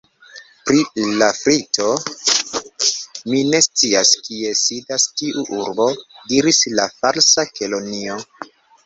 "Pri Lafrito, mi ne scias kie sidas tiu urbo," diris la Falsa Kelonio. "